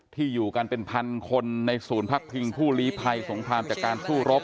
อยู่กันเป็นพันคนในศูนย์พักพิงผู้ลีภัยสงครามจากการสู้รบ